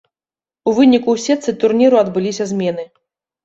У выніку ў сетцы турніру адбыліся змены.